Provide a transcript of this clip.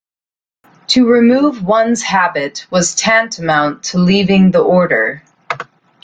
To remove one's habit was tantamount to leaving the Order.